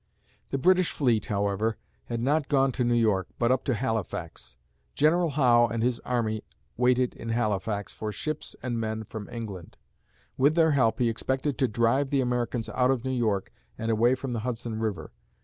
The British fleet, however, had not gone to New York, but up to Halifax. General Howe and his army waited in Halifax for ships and men from England. With their help, he expected to drive the Americans out of New York and away from the Hudson River.